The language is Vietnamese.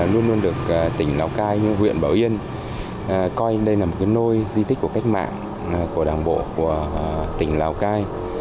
luôn luôn được tỉnh lào cai như huyện bảo yên coi đây là một nôi di tích của cách mạng của đảng bộ của tỉnh lào cai